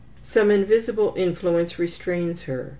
Some invisible influence restrains her.